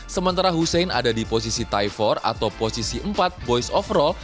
sementara hushen ada di posisi thai empat atau posisi empat boys overall